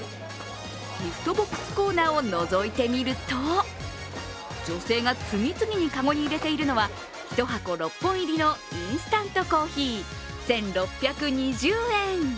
ギフトボックスコーナーをのぞいてみると女性が次々に籠に入れているのは１箱６本入りのインスタントコーヒー、１６２０円。